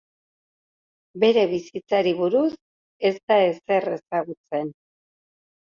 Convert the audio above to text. Bere bizitzari buruz ez da ezer ezagutzen.